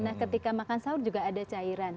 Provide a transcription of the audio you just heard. nah ketika makan sahur juga ada cairan